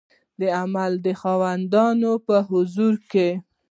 د عمل د خاوندانو په حضور کې